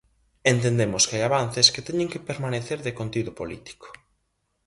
Entendemos que hai avances que teñen que permanecer de contido político.